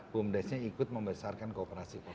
bumdes nya ikut membesarkan kooperasi